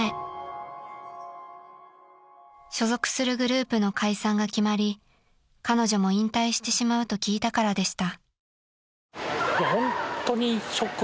［所属するグループの解散が決まり彼女も引退してしまうと聞いたからでした］